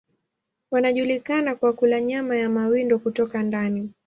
Wanajulikana kwa kula nyama ya mawindo kutoka ndani.